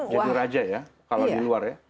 jadi raja ya kalau di luar ya